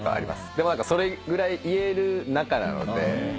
でもそれぐらい言える仲なので。